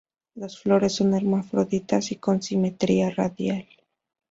Las flores son hermafroditas y con simetría radial.